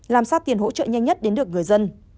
làm sao tiền hỗ trợ nhanh nhất đến được người dân